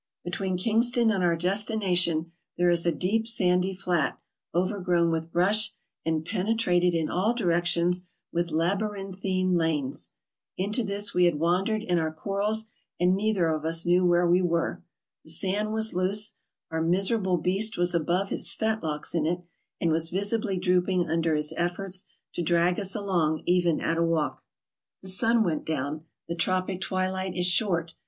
Between Kingston and our destination there is a deep, sandy flat, overgrown with brush and penetrated in all directions with labyrinthine lanes. Into this we had wandered in our quarrels, and neither of us knew where we were. The sand was loose ; our miserable beast was above his fetlocks in it, and was visibly drooping under his efforts to drag us along even at a walk. The sun went down. The tropic twilight is short.